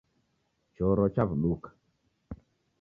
Choro chawuduka